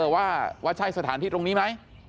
ว่าใช่สถานที่ตรงนี้ไหม